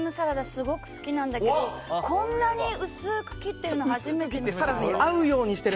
すごく好きなんだけどこんなに薄く切ってるの初めて見ました。